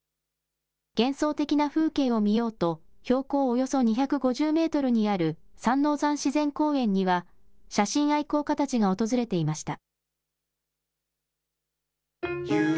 幻想的な風景を見ようと、標高およそ２５０メートルにある三王山自然公園には、写真愛好家たちが訪れていました。